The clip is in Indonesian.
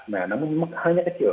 nah namun memang hanya kecil